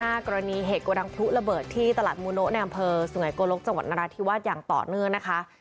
กรณีเหตุโกดังพลุระเบิดที่ตลาดมูโนะในอำเภอสุไงโกลกจังหวัดนราธิวาสอย่างต่อเนื่องนะคะ